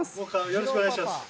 よろしくお願いします。